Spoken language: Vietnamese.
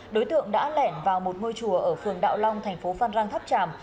đối tượng đã lẻn vào một ngôi chùa ở phường đạo long thành phố phan rang tháp tràm